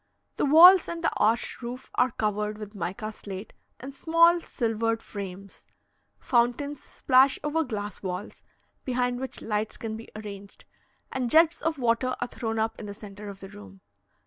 The walls and the arched roof are covered with mica slate in small silvered frames; fountains splash over glass walls, behind which lights can be arranged, and jets of water are thrown up in the centre of the room.